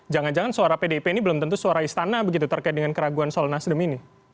jangan jangan suara pdip ini belum tentu suara istana begitu terkait dengan keraguan soal nasdem ini